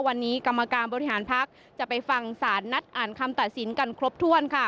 วันนี้กรรมการบริหารพักจะไปฟังสารนัดอ่านคำตัดสินกันครบถ้วนค่ะ